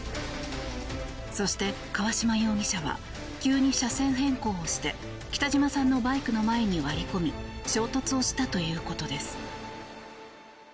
そして、川島容疑者は急に車線変更をして北島さんのバイクの前に割り込み衝突をしたということです。